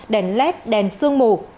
đèn led đèn xương mù